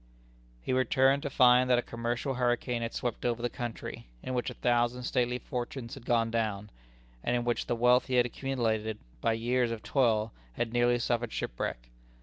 He returned to find that a commercial hurricane had swept over the country, in which a thousand stately fortunes had gone down, and in which the wealth he had accumulated by years of toil had nearly suffered shipwreck.